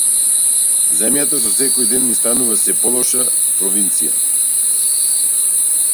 Земјата со секој ден ни станува сѐ полоша провинција.